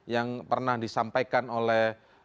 yang pernah disampaikan oleh